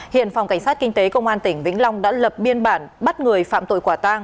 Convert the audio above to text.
hiện phòng cảnh sát kinh tế công an tỉnh vĩnh long đã lập biên bản bắt người phạm tội quả tang